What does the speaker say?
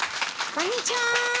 こんにちは。